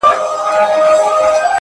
بيا وايم زه- يو داسې بله هم سته-